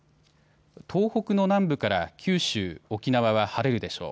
東北の南部から九州、沖縄は晴れるでしょう。